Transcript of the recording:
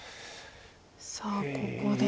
さあここで。